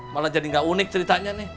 malah jadi nggak unik ceritanya nih